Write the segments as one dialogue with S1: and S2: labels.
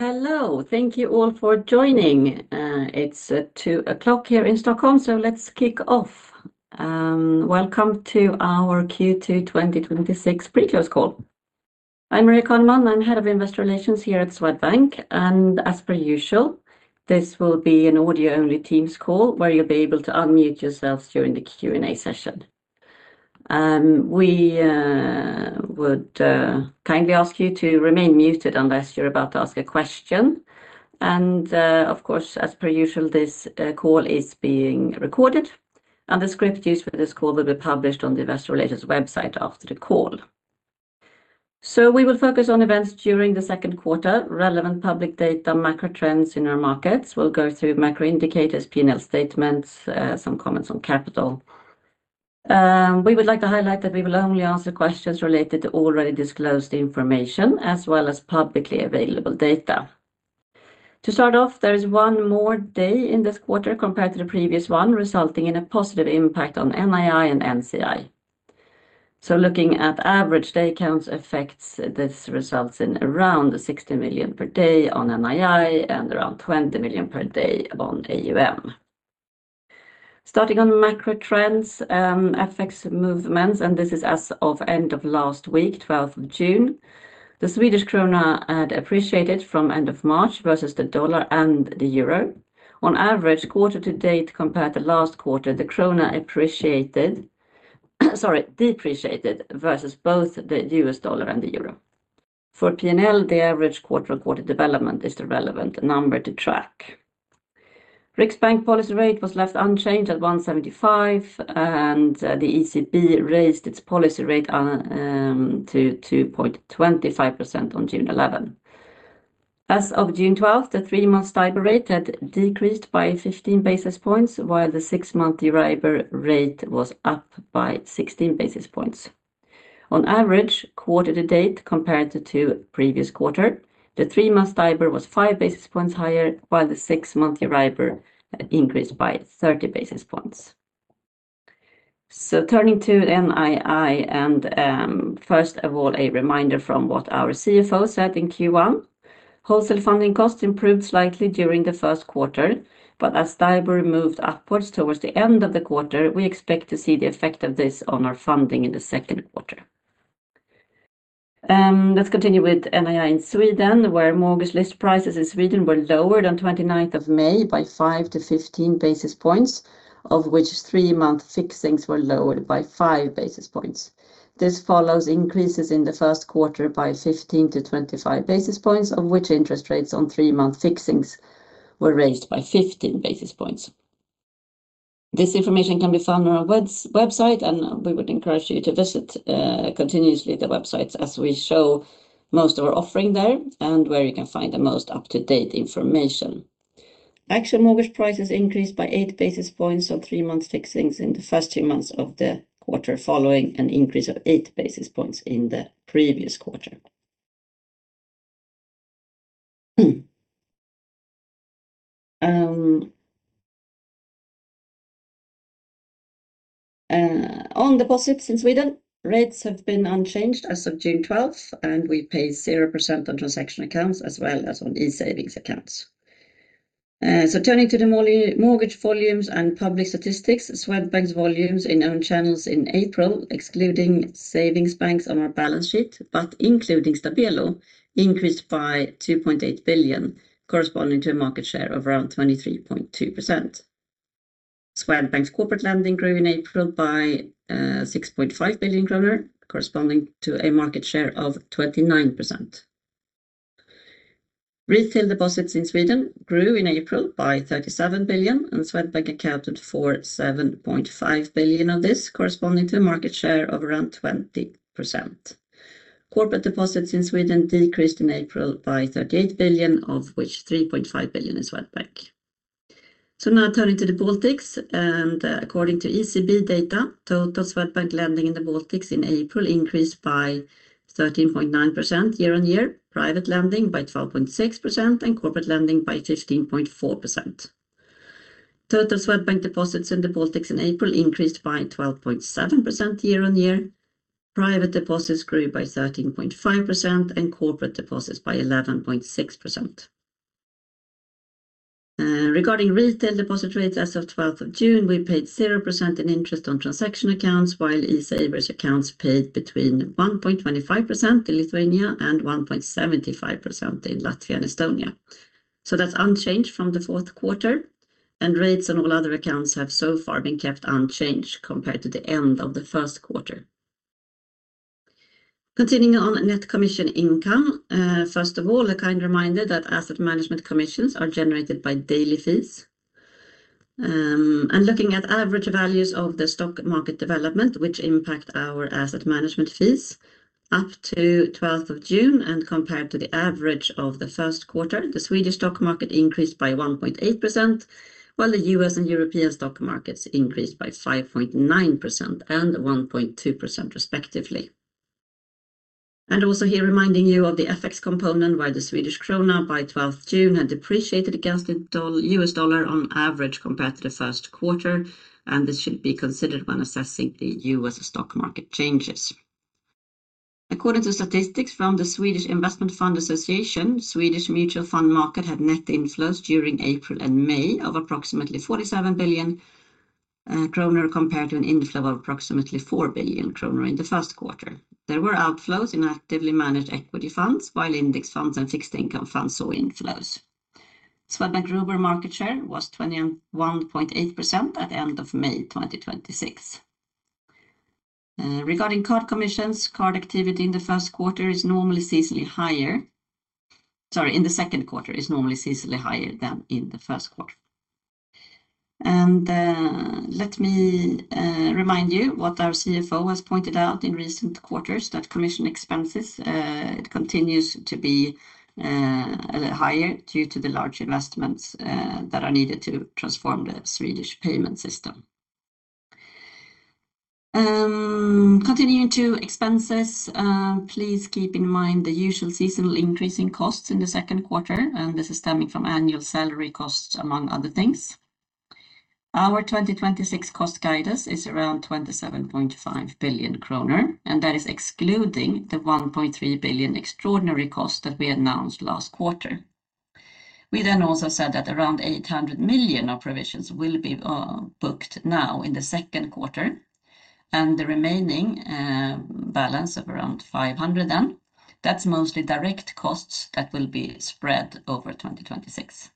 S1: Hello. Thank you all for joining. It's 2:00 P.M. here in Stockholm. Let's kick off. Welcome to our Q2 2026 pre-close call. I'm Maria Caneman, I'm Head of Investor Relations here at Swedbank. As per usual, this will be an audio-only Teams call where you'll be able to unmute yourselves during the Q&A session. We would kindly ask you to remain muted unless you're about to ask a question. Of course, as per usual, this call is being recorded, and the script used for this call will be published on the Investor Relations website after the call. We will focus on events during the second quarter, relevant public data, macro trends in our markets. We'll go through macro indicators, P&L statements, some comments on capital. We would like to highlight that we will only answer questions related to already disclosed information as well as publicly available data. To start off, there is one more day in this quarter compared to the previous one, resulting in a positive impact on NII and NCI. Looking at average day counts effects, this results in around 60 million per day on NII and around 20 million per day on AUM. Starting on macro trends, FX movements, and this is as of end of last week, 12th of June. The Swedish krona had appreciated from end of March versus the dollar and the euro. On average quarter-to-date compared to last quarter, the krona depreciated versus both the US dollar and the euro. For P&L, the average quarter development is the relevant number to track. Riksbank policy rate was left unchanged at 1.75%. The ECB raised its policy rate to 2.25% on June 11. As of June 12th, the three-month STIBOR rate had decreased by 15 basis points while the six-month EURIBOR rate was up by 16 basis points. On average, quarter-to-date compared to two previous quarter, the three-month STIBOR was 5 basis points higher, while the six-month EURIBOR had increased by 30 basis points. Turning to NII, first of all, a reminder from what our CFO said in Q1. Wholesale funding costs improved slightly during the first quarter, but as STIBOR moved upwards towards the end of the quarter, we expect to see the effect of this on our funding in the second quarter. Let's continue with NII in Sweden, where mortgage list prices in Sweden were lowered on 29th of May by 5 basis points-15 basis points, of which three-month fixings were lowered by 5 basis points. This follows increases in the first quarter by 15 basis points-25 basis points, of which interest rates on three-month fixings were raised by 15 basis points. This information can be found on our website. We would encourage you to visit continuously the websites as we show most of our offering there and where you can find the most up-to-date information. Actual mortgage prices increased by 8 basis points on three-month fixings in the first two months of the quarter following an increase of 8 basis points in the previous quarter. On deposits in Sweden, rates have been unchanged as of June 12th. We pay 0% on transaction accounts as well as on e-savings account. Turning to the mortgage volumes and public statistics, Swedbank's volumes in own channels in April, excluding savings banks on our balance sheet but including Stabelo, increased by 2.8 billion, corresponding to a market share of around 23.2%. Swedbank's corporate lending grew in April by 6.5 billion kronor, corresponding to a market share of 29%. Retail deposits in Sweden grew in April by 37 billion, Swedbank accounted for 7.5 billion of this, corresponding to a market share of around 20%. Corporate deposits in Sweden decreased in April by 38 billion, of which 3.5 billion is Swedbank. Now turning to the Baltics, according to ECB data, total Swedbank lending in the Baltics in April increased by 13.9% year-on-year, private lending by 12.6%, and corporate lending by 15.4%. Total Swedbank deposits in the Baltics in April increased by 12.7% year-on-year. Private deposits grew by 13.5% and corporate deposits by 11.6%. Regarding retail deposit rates, as of 12th of June, we paid 0% in interest on transaction accounts, while eSavers accounts paid between 1.25% in Lithuania and 1.75% in Latvia and Estonia. That's unchanged from the fourth quarter, rates on all other accounts have so far been kept unchanged compared to the end of the first quarter. Continuing on net commission income. First of all, a kind reminder that asset management commissions are generated by daily fees. Looking at average values of the stock market development, which impact our asset management fees up to 12th of June and compared to the average of the first quarter, the Swedish stock market increased by 1.8%, while the U.S. and European stock markets increased by 5.9% and 1.2% respectively. Also here reminding you of the FX component, while the Swedish krona by 12th June had depreciated against the U.S. dollar on average compared to the first quarter, this should be considered when assessing the U.S. stock market changes. According to statistics from the Swedish Investment Fund Association, Swedish mutual fund market had net inflows during April and May of approximately 47 billion kronor, compared to an inflow of approximately 4 billion kronor in the first quarter. There were outflows in actively managed equity funds, while index funds and fixed income funds saw inflows. Swedbank Robur market share was 21.8% at the end of May 2026. Regarding card commissions, card activity in the second quarter is normally seasonally higher than in the first quarter. Let me remind you what our CFO has pointed out in recent quarters, that commission expenses continue to be a little higher due to the large investments that are needed to transform the Swedish payment system. Continuing to expenses, please keep in mind the usual seasonal increase in costs in the second quarter, this is stemming from annual salary costs, among other things. Our 2026 cost guidance is around 27.5 billion kronor, that is excluding the 1.3 billion extraordinary cost that we announced last quarter. We also said that around 800 million of provisions will be booked now in the second quarter, the remaining balance of around 500 million, that's mostly direct costs that will be spread over 2026.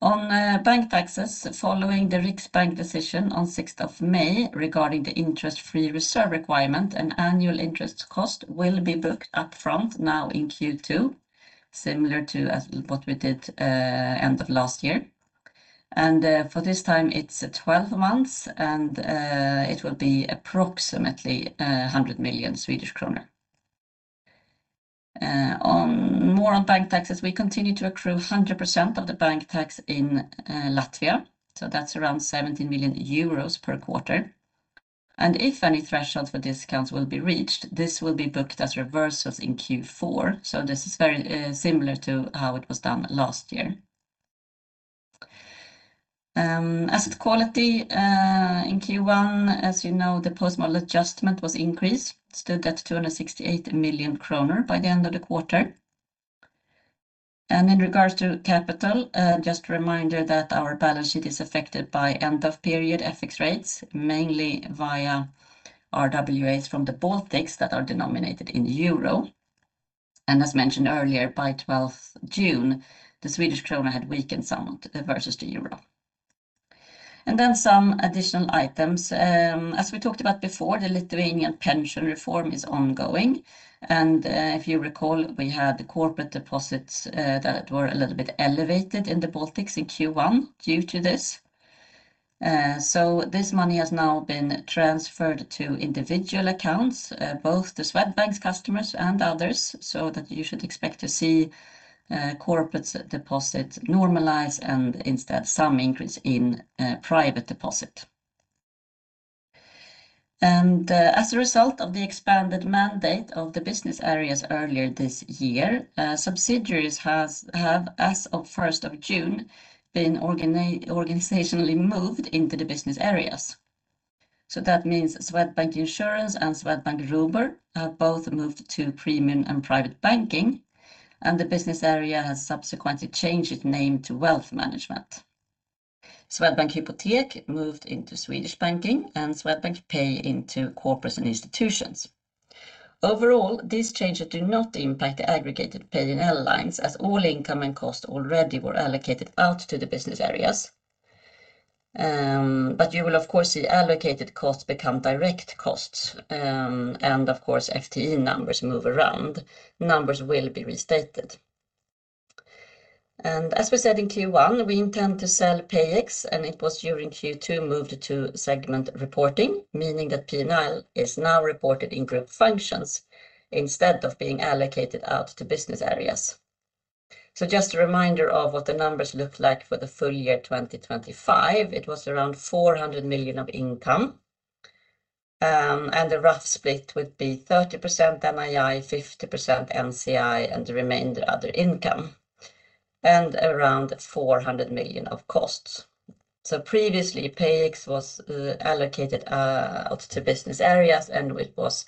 S1: On bank taxes, following the Riksbank decision on the 6th of May regarding the interest-free reserve requirement, an annual interest cost will be booked up front now in Q2, similar to what we did end of last year. For this time it is 12 months, and it will be approximately 100 million Swedish kronor. More on bank taxes, we continue to accrue 100% of the bank tax in Latvia, so that is around 70 million euros per quarter. If any thresholds for discounts will be reached, this will be booked as reversals in Q4. This is very similar to how it was done last year. Asset quality in Q1, as you know, the post-model adjustment was increased, stood at 268 million kronor by the end of the quarter. In regards to capital, just a reminder that our balance sheet is affected by end-of-period FX rates, mainly via RWAs from the Baltics that are denominated in euro. As mentioned earlier, by 12th June, the Swedish krona had weakened somewhat versus the euro. Some additional items. As we talked about before, the Lithuanian pension reform is ongoing, and if you recall, we had the corporate deposits that were a little bit elevated in the Baltics in Q1 due to this. This money has now been transferred to individual accounts, both to Swedbank's customers and others, so that you should expect to see corporates deposits normalize and instead some increase in private deposit. As a result of the expanded mandate of the business areas earlier this year, subsidiaries have, as of 1st of June, been organizationally moved into the business areas. That means Swedbank Insurance and Swedbank Robur have both moved to premium and private banking, and the business area has subsequently changed its name to Wealth Management. Swedbank Hypotek moved into Swedish banking and Swedbank Pay into corporates and institutions. Overall, these changes do not impact the aggregated P&L lines as all income and cost already were allocated out to the business areas. You will of course see allocated costs become direct costs, and of course, FTE numbers move around. Numbers will be restated. As we said in Q1, we intend to sell PayEx and it was during Q2 moved to segment reporting, meaning that P&L is now reported in group functions instead of being allocated out to business areas. Just a reminder of what the numbers look like for the full-year 2025. It was around 400 million of income, and the rough split would be 30% NII, 50% NCI, and the remainder other income, and around 400 million of costs. Previously, PayEx was allocated out to business areas, and it was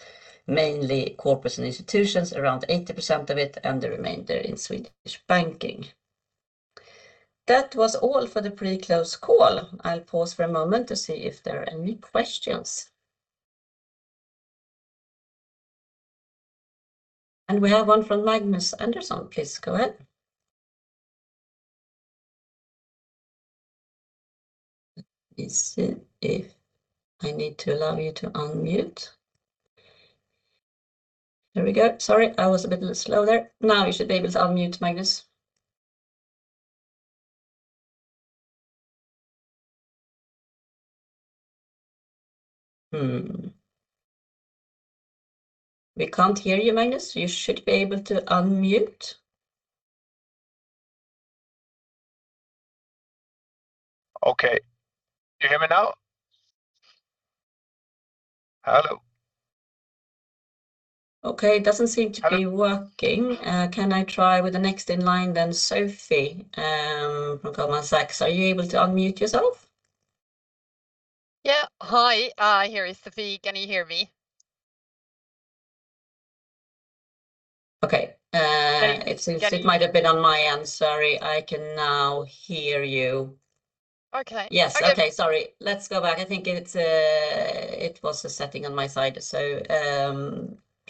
S1: mainly corporates and institutions, around 80% of it, and the remainder in Swedish banking. That was all for the pre-close call. I will pause for a moment to see if there are any questions. We have one from Magnus Andersson. Please go ahead. Let me see if I need to allow you to unmute. There we go. Sorry, I was a bit slow there. Now you should be able to unmute, Magnus. We can't hear you, Magnus. You should be able to unmute.
S2: Okay. Can you hear me now? Hello?
S1: Okay. It doesn't seem to be working. Can I try with the next in line, Sofie from Goldman Sachs. Are you able to unmute yourself?
S3: Yeah. Hi, here is Sofie. Can you hear me?
S1: Okay. It seems it might have been on my end. Sorry. I can now hear you.
S3: Okay.
S1: Yes. Okay. Sorry. Let's go back. I think it was a setting on my side.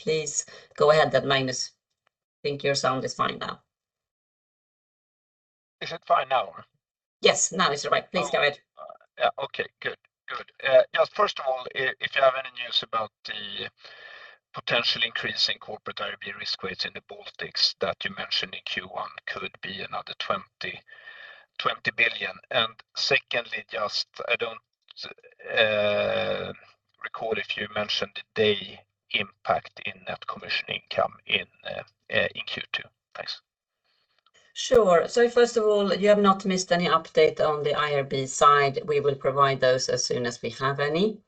S1: Please go ahead then, Magnus. I think your sound is fine now.
S2: Is it fine now?
S1: Yes, now is right. Please go ahead.
S2: Yeah. Okay, good. Just first of all, if you have any news about the potential increase in corporate IRB risk rates in the Baltics that you mentioned in Q1 could be another 20 billion. Secondly, just I don't recall if you mentioned the day impact in net commission income in Q2. Thanks.
S1: Sure. First of all, you have not missed any update on the IRB side. We will provide those as soon as we have any.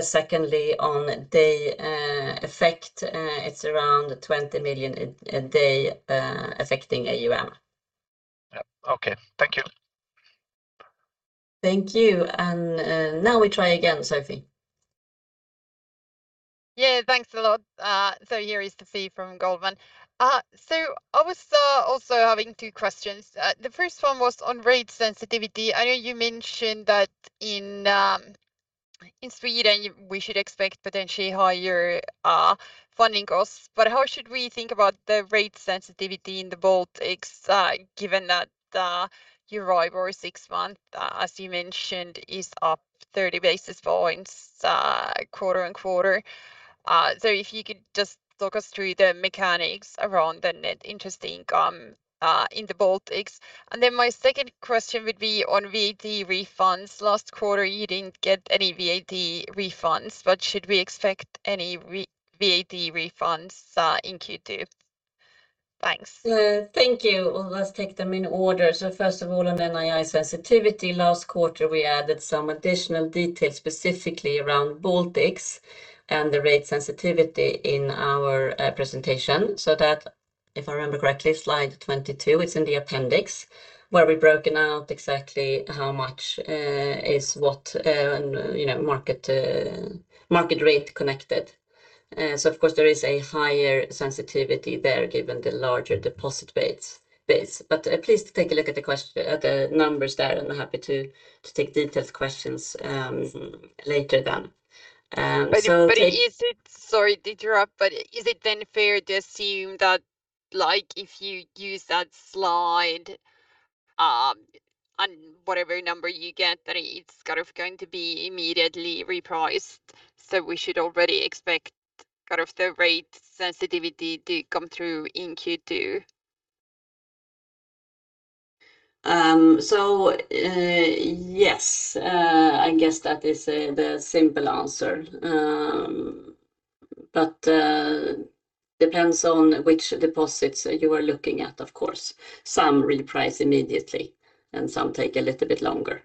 S1: Secondly, on day effect, it's around 20 million a day affecting AUM.
S2: Yeah. Okay. Thank you.
S1: Thank you. Now we try again, Sofie.
S3: Yeah, thanks a lot. Here is Sofie from Goldman. I was also having two questions. The first one was on rate sensitivity. I know you mentioned that in Sweden we should expect potentially higher funding costs. How should we think about the rate sensitivity in the Baltics given that EURIBOR six-month, as you mentioned, is up 30 basis points quarter-on-quarter? If you could just talk us through the mechanics around the net interest income in the Baltics. My second question would be on VAT refunds. Last quarter, you didn't get any VAT refunds, but should we expect any VAT refunds in Q2? Thanks.
S1: Thank you. Let's take them in order. First of all, on NII sensitivity, last quarter we added some additional details specifically around Baltics and the rate sensitivity in our presentation. That, if I remember correctly, slide 22, it's in the appendix where we've broken out exactly how much is what and market rate connected. Of course there is a higher sensitivity there given the larger deposit base. Please take a look at the numbers there, and I'm happy to take detailed questions later then.
S3: Is it, sorry to interrupt, is it then fair to assume that if you use that slide on whatever number you get, that it's going to be immediately repriced, so we should already expect the rate sensitivity to come through in Q2?
S1: Yes. I guess that is the simple answer. Depends on which deposits you are looking at, of course. Some reprice immediately, and some take a little bit longer.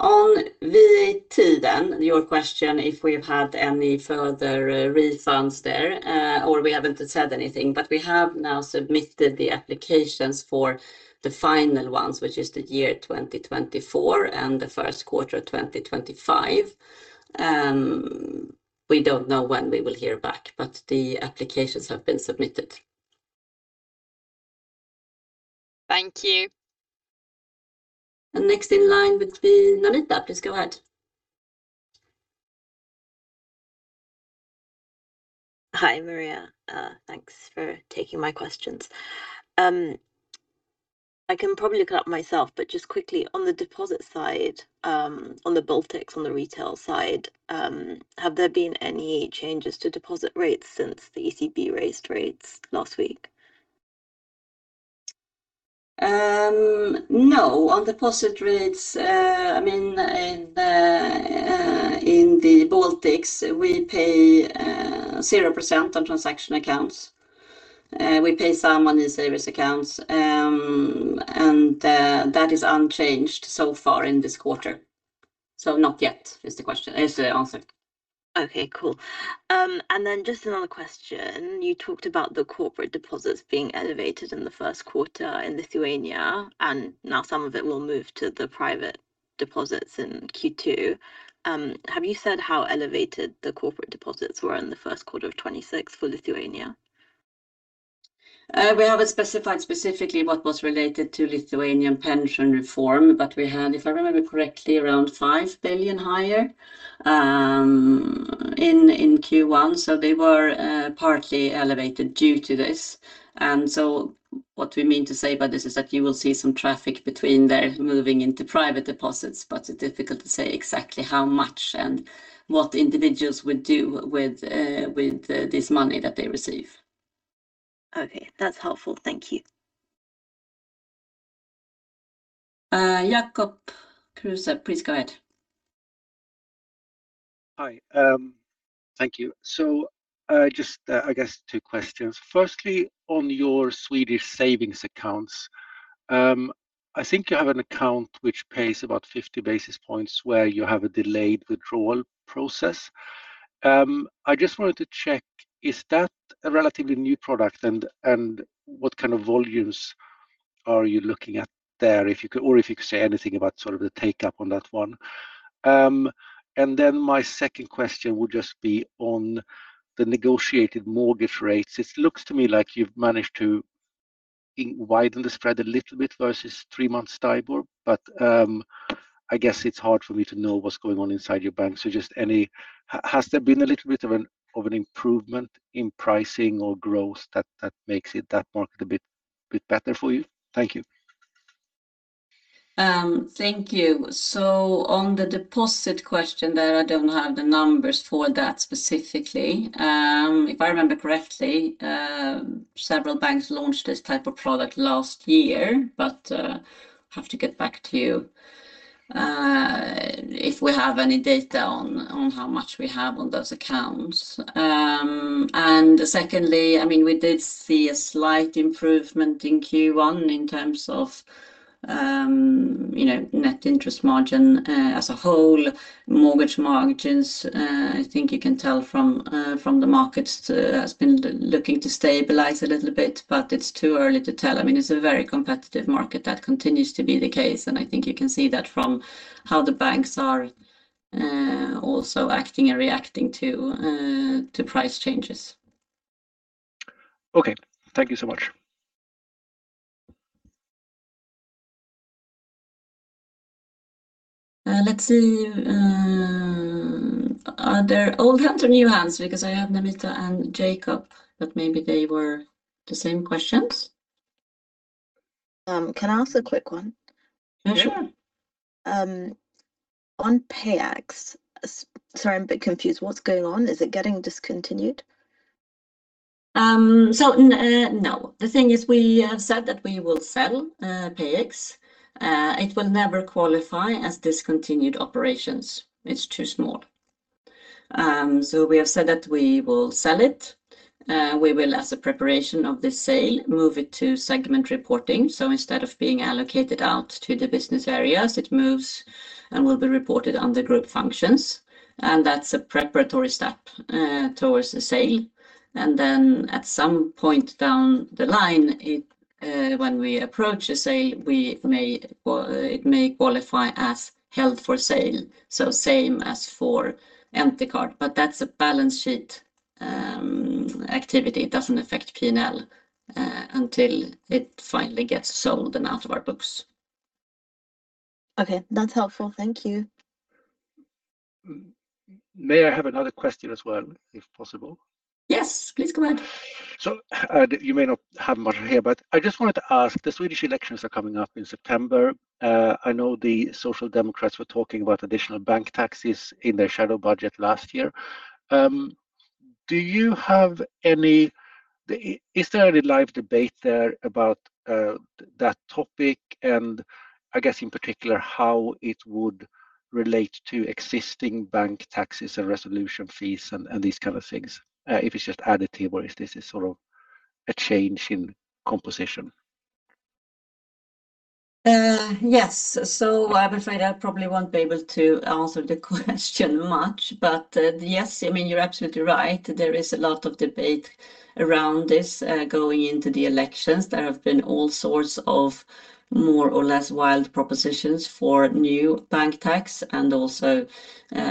S1: On VAT, your question if we've had any further refunds there, we haven't said anything, we have now submitted the applications for the final ones, which is the year 2024 and the first quarter of 2025. We don't know when we will hear back, the applications have been submitted.
S3: Thank you.
S1: Next in line would be Namita. Please go ahead.
S4: Hi, Maria. Thanks for taking my questions. I can probably look it up myself, but just quickly, on the deposit side, on the Baltics, on the retail side, have there been any changes to deposit rates since the ECB raised rates last week?
S1: No. On deposit rates in the Baltics, we pay 0% on transaction accounts. We pay some on e-savings accounts, and that is unchanged so far in this quarter. Not yet is the answer.
S4: Okay, cool. Then just another question. You talked about the corporate deposits being elevated in the first quarter in Lithuania, and now some of it will move to the private deposits in Q2. Have you said how elevated the corporate deposits were in the first quarter of 2026 for Lithuania?
S1: We haven't specified specifically what was related to Lithuanian pension reform, but we had, if I remember correctly, around 5 billion higher in Q1. They were partly elevated due to this. What we mean to say by this is that you will see some traffic between there moving into private deposits, but it's difficult to say exactly how much and what individuals would do with this money that they receive.
S4: Okay. That's helpful. Thank you.
S1: Jacob Kruse, please go ahead.
S5: Hi Thank you. Just two questions. Firstly, on your Swedish savings accounts, I think you have an account that pays about 50 basis points where you have a delayed withdrawal process. I just wanted to check, is that a relatively new product and what kind of volumes are you looking at there? Or if you could say anything about the take-up on that one. My second question would just be on the negotiated mortgage rates. It looks to me like you've managed to widen the spread a little bit versus three months STIBOR, but I guess it's hard for me to know what's going on inside your bank. Has there been a little bit of an improvement in pricing or growth that makes that market a bit better for you? Thank you.
S1: Thank you. On the deposit question there, I don't have the numbers for that specifically. If I remember correctly, several banks launched this type of product last year, but I have to get back to you if we have any data on how much we have on those accounts. Secondly, we did see a slight improvement in Q1 in terms of net interest margin as a whole. Mortgage margins, I think you can tell from the markets, has been looking to stabilize a little bit, but it's too early to tell. It's a very competitive market. That continues to be the case, and I think you can see that from how the banks are also acting and reacting to price changes.
S5: Thank you so much.
S1: Let's see. Are there old hands or new hands? I have Namita and Jacob, but maybe they were the same questions.
S4: Can I ask a quick one?
S1: Yeah, sure.
S4: On PayEx, sorry, I'm a bit confused. What's going on? Is it getting discontinued?
S1: No. The thing is we have said that we will sell PayEx. It will never qualify as discontinued operations. It's too small. We have said that we will sell it. We will, as a preparation of the sale, move it to segment reporting. Instead of being allocated out to the business areas, it moves and will be reported under group functions, and that's a preparatory step towards the sale. Then at some point down the line, when we approach a sale, it may qualify as held for sale, so same as for Entercard. That's a balance sheet activity. It doesn't affect P&L until it finally gets sold and out of our books.
S4: Okay. That's helpful. Thank you.
S5: May I have another question as well, if possible?
S1: Yes, please. Go ahead.
S5: You may not have much here, but I just wanted to ask, the Swedish elections are coming up in September. I know the Social Democrats were talking about additional bank taxes in their shadow budget last year. Is there any live debate there about that topic, and in particular, how it would relate to existing bank taxes and resolution fees and these kind of things? If it's just additive or if this is a change in composition.
S1: Yes. I'm afraid I probably won't be able to answer the question much. Yes, you're absolutely right. There is a lot of debate around this going into the elections. There have been all sorts of more or less wild propositions for new bank tax, and also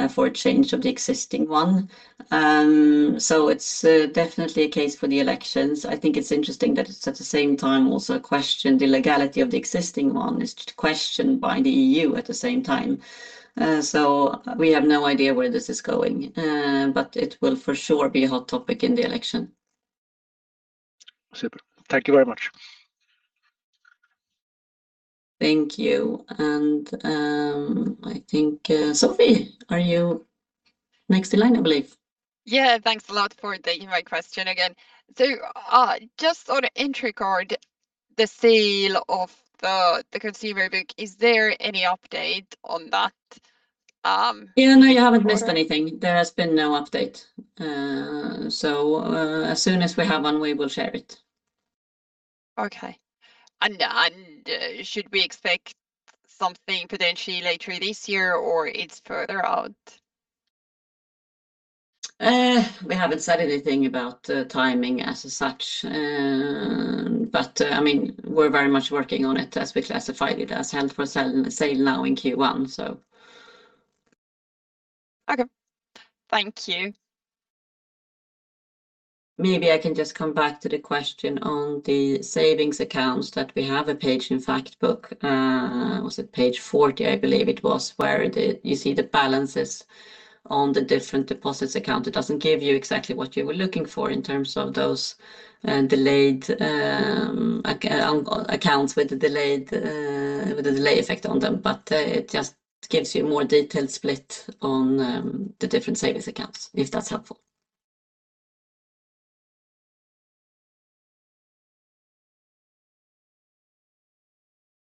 S1: for a change of the existing one. It's definitely a case for the elections. I think it's interesting that at the same time also the legality of the existing one is questioned by the EU at the same time. We have no idea where this is going. It will for sure be a hot topic in the election.
S5: Super. Thank you very much.
S1: Thank you. I think, Sofie, are you next in line, I believe?
S3: Yeah. Thanks a lot for taking my question again. Just on Entercard, the sale of the consumer book, is there any update on that?
S1: No, you haven't missed anything. There has been no update. As soon as we have one, we will share it.
S3: Okay. Should we expect something potentially later this year, or it's further out?
S1: We haven't said anything about the timing as such. We're very much working on it as we classified it as held for sale now in Q1.
S3: Okay. Thank you.
S1: Maybe I can just come back to the question on the savings accounts that we have a page in Fact Book. Was it page 40, I believe it was where you see the balances on the different deposits account. It doesn't give you exactly what you were looking for in terms of those accounts with the delay effect on them. It just gives you a more detailed split on the different savings accounts, if that's helpful.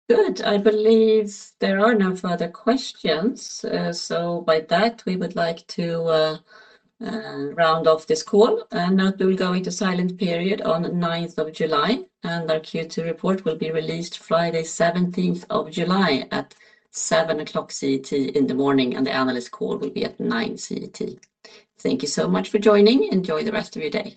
S1: Good. I believe there are no further questions. With that, we would like to round off this call. Note we will go into silent period on the 9th of July, and our Q2 report will be released Friday 17th of July at 7:00 A.M. CET in the morning, and the analyst call will be at 9:00 A.M. CET. Thank you so much for joining. Enjoy the rest of your day.